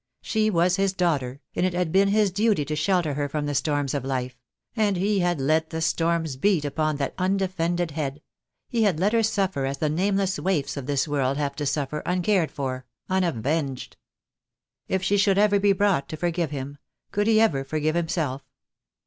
She was his daughter, and it had been his duty to shelter her from the storms of life — and he had let the storms beat upon that undefended head, he had let her suffer as the nameless waifs of this world have to suffer, uncared for, unavenged. If she should ever be brought to forgive him, could he ever forgive himself?